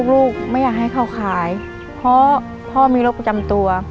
ลูกไม่อยากให้เขาขายเพราะพ่อมีโรคประจำตัว